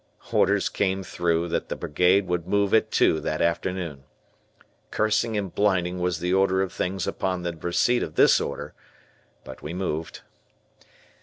orders came through that the Brigade would move at two that afternoon. Cursing and blinding was the order of things upon the receipt of this order, but we moved.